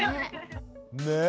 ねえ！